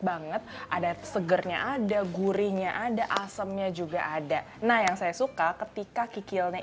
banget ada segernya ada gurihnya ada asemnya juga ada nah yang saya suka ketika kikilnya